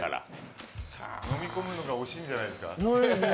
飲み込むのが惜しいんじゃないですか。